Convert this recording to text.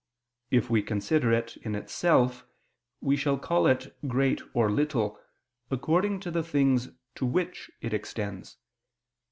If we consider it in itself, we shall call it great or little, according to the things to which it extends.